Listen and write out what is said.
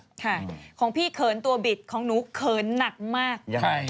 ใช่ของพี่เขินตัวบิดของหนูเขินหนักมาก